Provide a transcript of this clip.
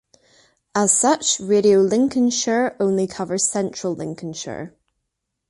As such, Radio Lincolnshire only covers central Lincolnshire.